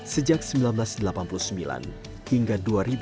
sejak seribu sembilan ratus delapan puluh sembilan hingga dua ribu